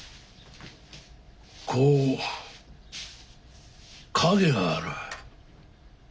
こう影がある。